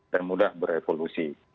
dan mudah berevolusi